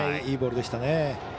いいボールでしたね。